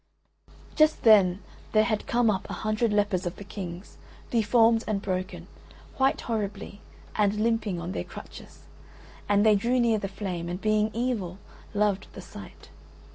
Just then there had come up a hundred lepers of the King's, deformed and broken, white horribly, and limping on their crutches. And they drew near the flame, and being evil, loved the sight.